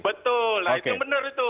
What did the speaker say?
betul itu benar itu